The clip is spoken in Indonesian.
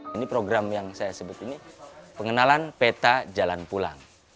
ini program yang saya sebut ini pengenalan peta jalan pulang